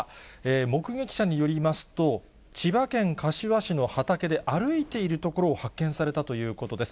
目撃者によりますと、千葉県柏市の畑で歩いている所を発見されたということです。